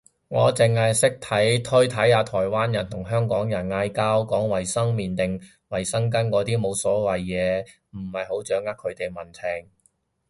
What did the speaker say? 我剩係識睇推睇下台灣人同香港人嗌交，講衛生棉定衛生巾嗰啲無謂嘢，唔係好掌握佢哋民情